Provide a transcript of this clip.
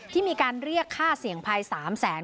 ที่มีการเรียกค่าเสี่ยงภัย๓แสน